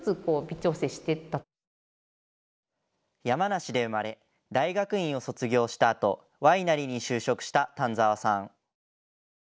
山梨で生まれ大学院を卒業したあとワイナリーに就職した丹澤さん。